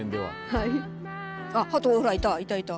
はい。